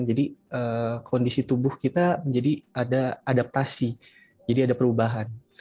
jadi kondisi tubuh kita menjadi ada adaptasi jadi ada perubahan